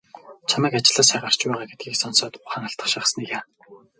Чамайг ажлаасаа гарч байгаа гэдгийг сонсоод ухаан алдах шахсаныг яана.